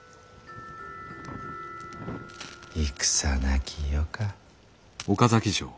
戦なき世か。